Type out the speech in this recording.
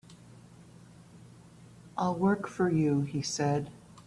"I'll work for you," he said.